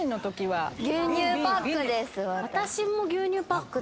私も牛乳パックだった。